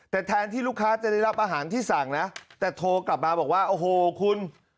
แต่แทนที่ลูกค้าจะได้รับอาหารที่สั่งนะแต่โทรกลับมาบอกว่าโอ้โหคุณ